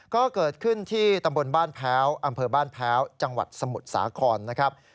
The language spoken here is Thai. ก็เกิดขึ้นที่ตำบลบ้านแพ้วอำเภอบ้านแพ้วจังหวัดสมุทรสาครนะครับ